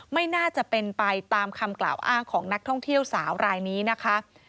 ไม่น่าจะเป็นไปตามคำกล่าวอ้างของนักท่องเที่ยวสาวรายนี้นะคะ